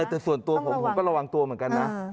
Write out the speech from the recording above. แต่ส่วนตัวผมผมก็ระวังตัวเหมือนกันนะ